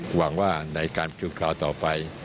หวังว่าในการประชุมคราวต่อไป